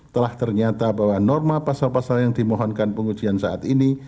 telah ternyata bahwa norma pasal pasal yang dimohonkan pengujian saat ini